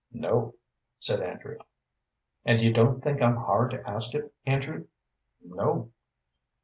"No," said Andrew. "And you don't think I'm hard to ask it, Andrew?" "No."